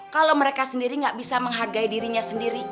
kalau mereka sendiri gak bisa menghargai dirinya sendiri